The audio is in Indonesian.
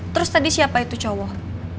terus tadi siapa itu cowok